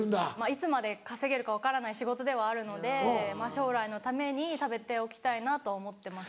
いつまで稼げるか分からない仕事ではあるので将来のために貯めておきたいなとは思ってます。